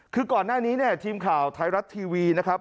คือก่อนหน้านี้เนี่ยทีมข่าวไทยรัฐทีวีนะครับ